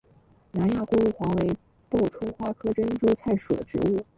南亚过路黄为报春花科珍珠菜属的植物。